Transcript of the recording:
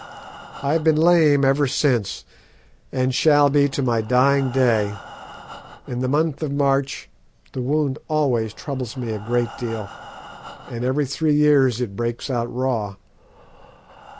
I have been lame ever since, and shall be to my dying day; in the month of March the wound always troubles me a great deal, and every three years it breaks out raw.